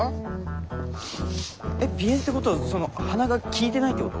えっ鼻炎ってことはその鼻が利いてないってこと？